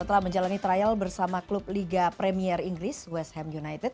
setelah menjalani trial bersama klub liga premier inggris west ham united